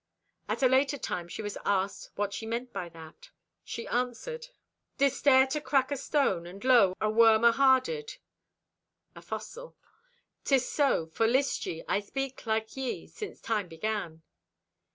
At a later time she was asked what she meant by that. She answered: "Didst e'er to crack a stone, and lo, a worm aharded? (a fossil). 'Tis so, for list ye, I speak like ye since time began."